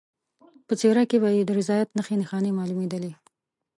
په څېره کې به یې د رضایت نښې نښانې معلومېدلې.